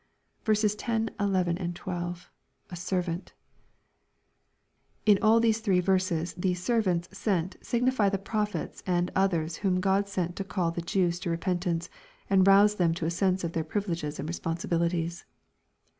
10, 11, 12b — [A servant] In all these three verses the "servants" sent signify the prophets and others whom God sent to call the Jews to repentance, and rouse them to a sense of their privileges and responsibilities.